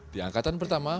di angkatan pertama